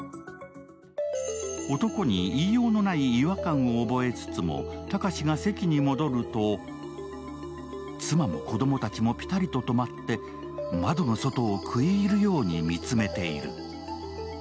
男に言いようのない違和感を覚えつつも、高志が席に戻ると妻も子供たちもピタリと止まって窓の外を食い入るように見つめている。